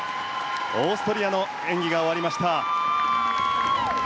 オーストリアの演技が終わりました。